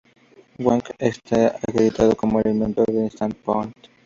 Wang está acreditado como el inventor de Instant Pot.